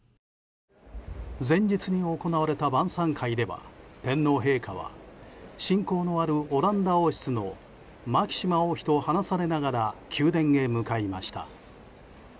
前日に行われた晩さん会では天皇陛下は親交のあるオランダ王室のマキシマ王妃と話されながら宮殿へ向かわれました。